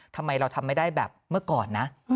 ทำไมเราทำไม่ได้แบบเมื่อก่อนนะ